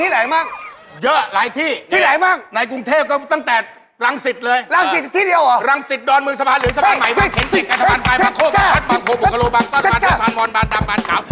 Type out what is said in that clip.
โหบุคโลบังฟาดฟานวอนบานดำบานขาว